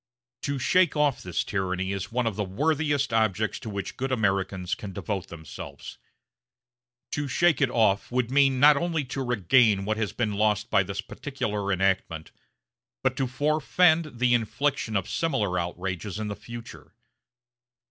To shake off this tyranny is one of the worthiest objects to which good Americans can devote themselves. To shake it off would mean not only to regain what has been lost by this particular enactment, but to forefend the infliction of similar outrages in the future.